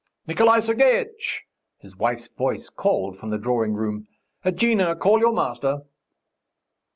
"Nikolay Sergeitch!" his wife's voice called from the drawing room. "Agnia, call your master!"